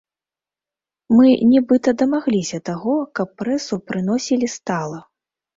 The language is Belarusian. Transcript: Мы нібыта дамагліся таго, каб прэсу прыносілі стала.